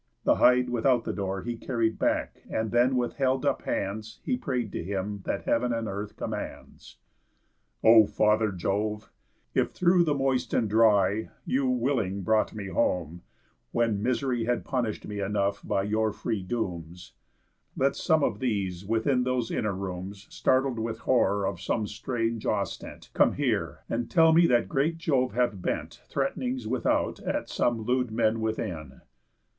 The hide without the door He carried back, and then, with held up hands, He pray'd to Him that heav'n and earth commands: "O Father Jove, if through the moist and dry You, willing, brought me home, when misery Had punish'd me enough by your free dooms, Let some of these within those inner rooms, Startled with horror of some strange ostent, Come here, and tell me that great Jove hath bent Threat'nings without at some lewd men within."